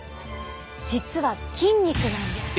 実は筋肉なんです。